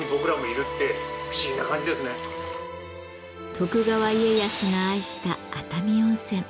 徳川家康が愛した熱海温泉。